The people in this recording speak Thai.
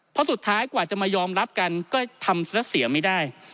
เพราะสุดท้ายกว่าจะมายอมรับกันก็ทำแล้วเสียไม่ได้